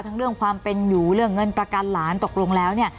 เรื่องความเป็นอยู่เรื่องเงินประกันหลานตกลงแล้วเนี่ย